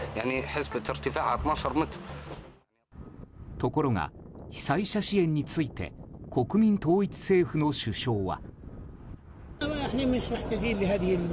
ところが、被災者支援について国民統一政府の首相は。